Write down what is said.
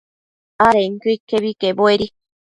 adenquio iquebi quebuedi